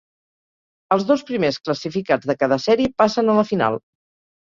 Els dos primers classificats de cada sèrie passen a la final.